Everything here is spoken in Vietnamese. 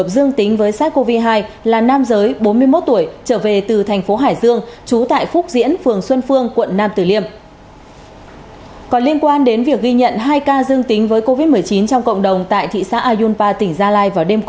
xin chào và hẹn gặp lại